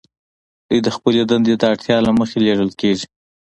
دوی د خپلې دندې د اړتیا له مخې لیږل کیږي